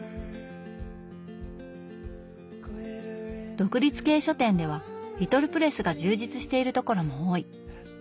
独立系書店ではリトルプレスが充実しているところも多い。